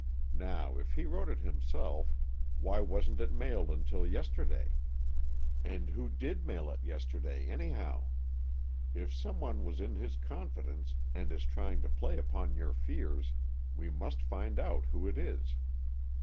Now if he wrote it himself, why wasn't it mailed until yesterday? And who did mail it yesterday, anyhow? If someone was in his confidence and is trying to play upon your fears, we must find out who it is.